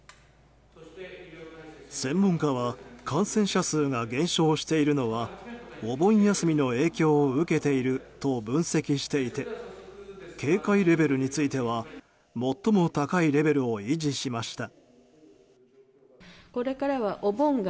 専門家は感染者数が減少しているのはお盆休みの影響を受けていると分析していて警戒レベルについては最も高いレベルを維持しました。